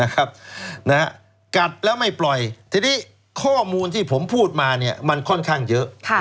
กัดแล้วไม่ปล่อยทีนี้ข้อมูลที่ผมพูดมามันค่อนข้างเยอะ